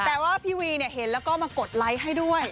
แต่ว่าพี่วีเห็นแล้วก็มากดไลค์ให้ด้วย